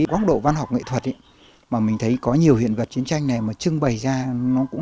góc độ văn học nghệ thuật mà mình thấy có nhiều hiện vật chiến tranh này mà trưng bày ra nó cũng